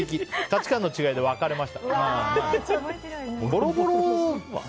価値観の違いで別れました。